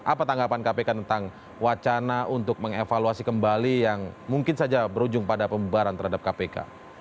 apa tanggapan kpk tentang wacana untuk mengevaluasi kembali yang mungkin saja berujung pada pembubaran terhadap kpk